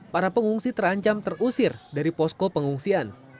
para pengungsi terancam terusir dari posko pengungsian